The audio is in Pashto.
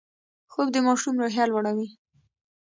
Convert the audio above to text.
خوب د ماشوم روحیه لوړوي